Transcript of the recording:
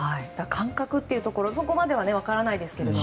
感覚ってところそこまでは分からないですが。